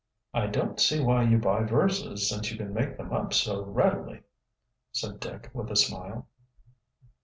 "I don't see why you buy verses, since you can make them up so readily," said Dick with a smile.